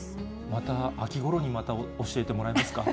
また秋ごろにまた教えてもらえますか？